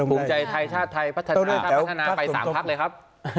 ภูมิใจไทยชาติไทยพัฒนาชาติพัฒนาไป๓พักเลยครับ